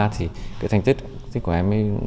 thì cái thành tích của em ấy cũng chưa là tốt